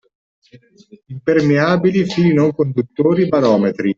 Impermeabili, fili non conduttori, barometri